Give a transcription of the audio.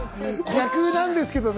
逆なんですけどね。